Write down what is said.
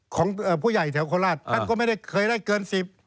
ของผู้ใหญ่แถวโคราชท่านก็ไม่ได้เคยได้เกิน๑๐